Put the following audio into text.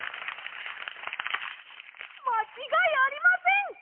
まちがいありません！